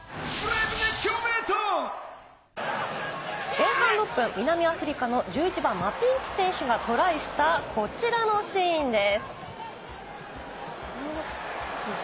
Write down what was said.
前半６分、南アフリカの１１番・マピンピ選手がトライした、こちらのシーンです。